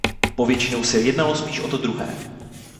Povětšinou se jednalo spíš o to druhé.